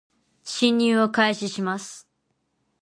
進入を開始します